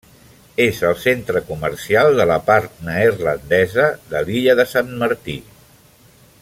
És el centre comercial de la part neerlandesa de l'illa de Sant Martí.